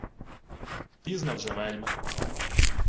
— Пізно вже вельми.